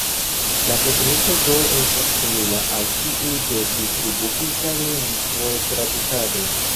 La tekniko do estas simila al tiu de Distribuita Lingvo-Tradukado.